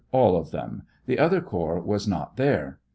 All of them ; the other corps was not there.